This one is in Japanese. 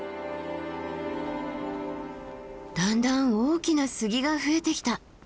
だんだん大きな杉が増えてきた。